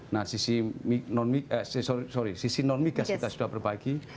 nah sisi non migas kita sudah berbagi